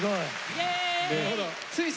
イエーイ！